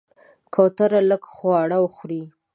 کوتره لږ خواړه خوري.